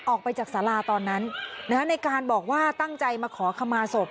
ออกไปจากสาราตอนนั้นในการบอกว่าตั้งใจมาขอขมาศพ